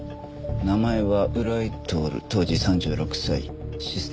名前は浦井徹当時３６歳システムエンジニアだ。